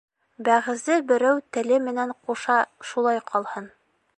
Бәғзе берәү теле менән ҡуша Шулай ҡалһын.